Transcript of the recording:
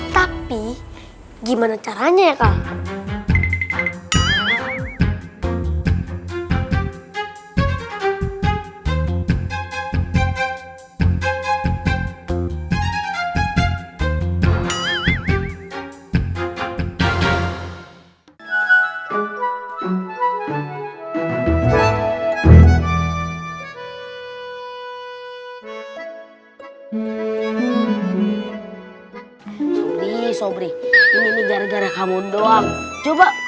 tapi gimana caranya ya kak